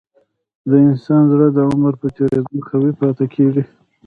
د انسان زړه د عمر په تیریدو قوي پاتې کېږي.